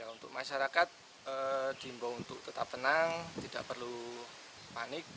untuk masyarakat diimbau untuk tetap tenang tidak perlu panik